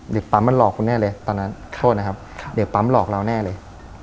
ปั๊มมันหลอกคุณแน่เลยตอนนั้นโทษนะครับเด็กปั๊มหลอกเราแน่เลย